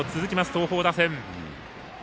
東邦打線。